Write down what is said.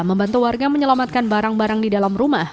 membantu warga menyelamatkan barang barang di dalam rumah